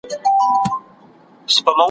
شاعره ستا تر غوږ مي چیغي رسولای نه سم ,